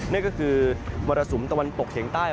นั่นก็คือมรสุมตะวันตกเฉียงใต้